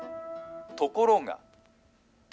ところが。